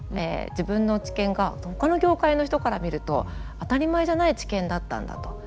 自分の知見がほかの業界の人から見ると当たり前じゃない知見だったんだと。